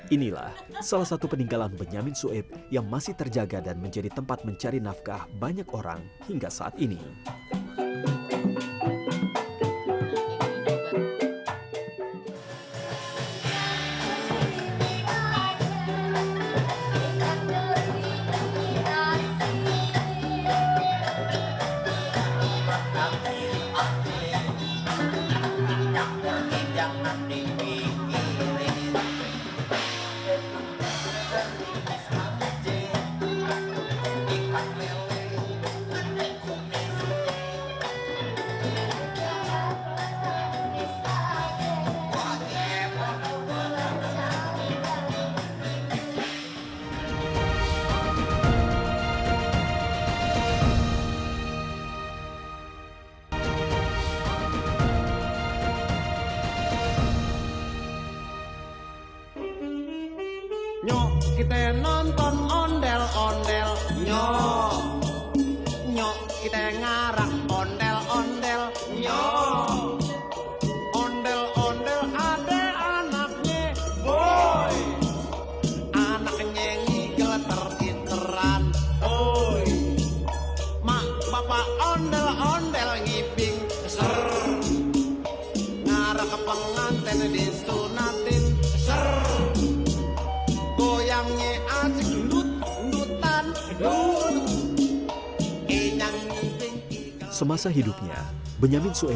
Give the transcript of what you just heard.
inilah salah satu peninggalan benyamin suib yang masih terjaga dan menjadi tempat mencari nafkah banyak orang hingga saat ini